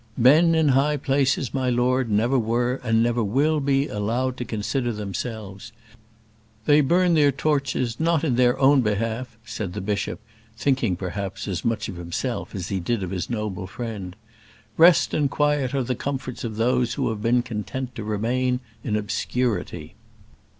"Men in high places, my lord, never were, and never will be, allowed to consider themselves. They burn their torches not in their own behalf," said the bishop, thinking, perhaps, as much of himself as he did of his noble friend. "Rest and quiet are the comforts of those who have been content to remain in obscurity."